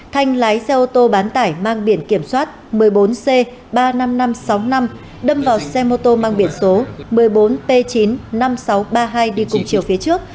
thanh lái xe ô tô bán tải mang biển kiểm soát một mươi bốn c ba mươi năm nghìn năm trăm sáu mươi năm đâm vào xe mô tô mang biển số một mươi bốn p chín mươi năm nghìn sáu trăm ba mươi hai đi cùng chiều phía trước